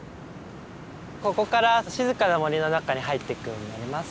ここから静かな森の中に入っていくようになります。